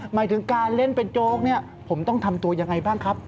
หมายถึงการเล่นเป็นโจ๊กเนี่ยผมต้องทำตัวยังไงบ้างครับ